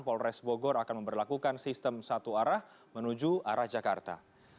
polres bogor akan memperlakukan sistem satu arah menuju arah jakarta